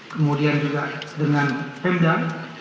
kemudian juga dengan pemdan